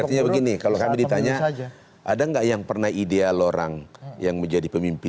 artinya begini kalau kami ditanya ada nggak yang pernah ideal orang yang menjadi pemimpin